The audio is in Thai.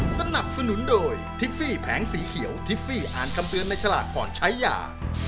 สนับสนุนโดยทิฟฟี่แผงสีเขียวทิฟฟี่อ่านคำเตือนในฉลากก่อนใช้ยา